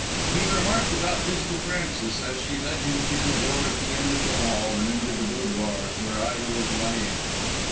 He remarked about this to Frances as she led him through the door at the end of the hall and into the boudoir, where Ida was lying.